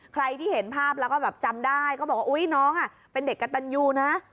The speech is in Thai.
ใครที่เห็นภาพแล้วก็แบบจำได้ก็บอกว่าอุ๊ยน้องเป็นเด็กกระตันยูนะ